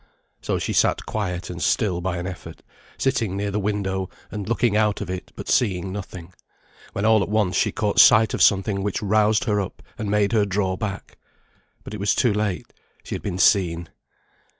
So she sat quiet and still by an effort; sitting near the window, and looking out of it, but seeing nothing, when all at once she caught sight of something which roused her up, and made her draw back. But it was too late. She had been seen.